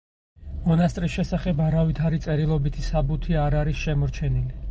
მონასტრის შესახებ არავითარი წერილობითი საბუთი არ არის შემორჩენილი.